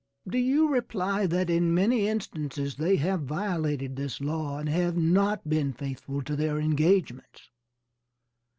Do you reply that in many instances they have violated this law and have not been faithful to their engagements?